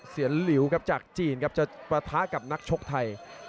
เสียนลิวจากจีนครับจะประท้ากับนักชกไทย